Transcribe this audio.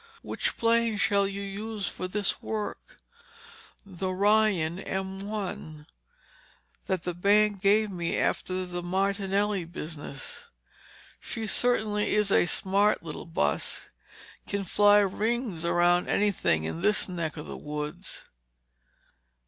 "Which plane shall you use for this work?" "The Ryan M l, that the bank gave me after that Martinelli business. She certainly is a smart little bus—can fly rings around anything in this neck of the woods.